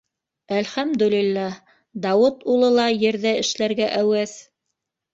Әлхәмдуллилаһ, Дауыт улы ла ерҙә эшләргә әүәҫ.